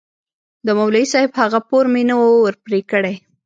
د مولوي صاحب هغه پور مې نه و پرې كړى.